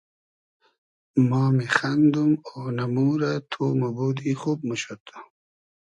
ما میخئندوم اۉنئمو رۂ تو موبودی خوب موشود